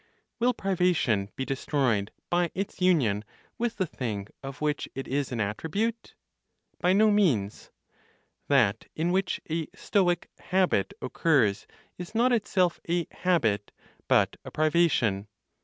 Will privation be destroyed by its union with the thing of which it is an attribute? By no means. That in which a (Stoic) "habit" occurs is not itself a "habit," but a privation.